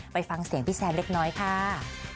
ไปฟังเสียงพี่แซมเล็กน้อยค่ะ